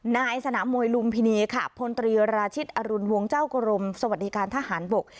นายสนามมวยลุมพินีค่ะพลตรีราชิตอรุณวงศ์เจ้ากรมสวัสดิการทหารบก